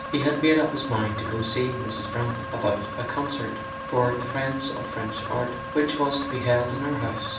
He had made up his mind to go to see Mrs. Brant about a concert for "The Friends of French Art" which was to be held in her house.